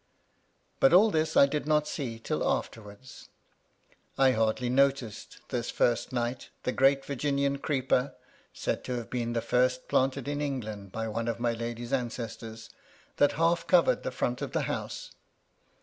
But all this I did not see till afterwards. I hardly noticed, this first night, the great Virginian Creeper (said to have been the first planted in England by one of my lady's ancestors) that half covered the front of the house.